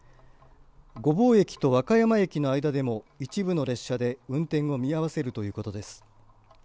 御坊駅と和歌山駅の間でも一部の列車で運転を見合わせるということです。